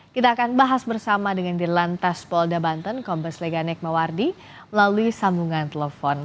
kita akan bahas bersama dengan di lantas polda banten kombes leganek mawardi melalui sambungan telepon